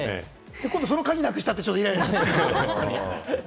今度はその鍵なくしたって、イライラしたりする。